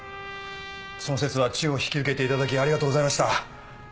その節は千代を引き受けて頂きありがとうございました。